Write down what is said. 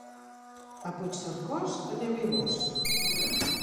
A Puigcercós, aneu-hi vós.